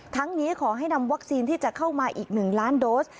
นี้ขอให้นำวัคซีนที่จะเข้ามาอีก๑ล้านโดส